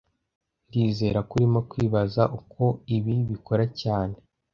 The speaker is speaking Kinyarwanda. Ndizera ko urimo kwibaza uko ibi bikora cyane